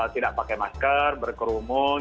tidak pakai masker berkerumun